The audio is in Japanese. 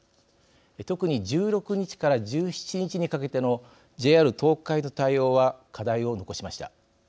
特に１６日から１７日にかけてのＪＲ東海の対応は課題を残しました。